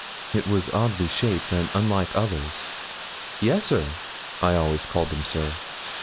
It was oddly shaped, and unlike others. 'Yes, sir.' I always called him 'sir.'